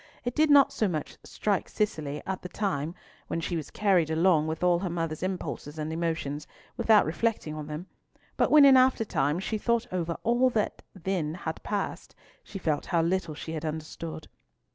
It did not so much strike Cicely at the time, when she was carried along with all her mother's impulses and emotions, without reflecting on them, but when in after times she thought over all that then had passed, she felt how little she had understood.